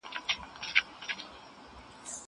پاکوالي وساته!